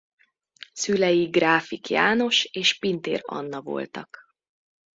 Szülei Gráfik János és Pintér Anna voltak.